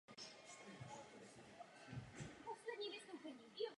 Název znamená svatý Jakub.